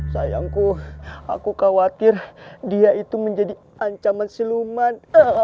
sayangku aku khawatir dia itu menjadi ancaman siluman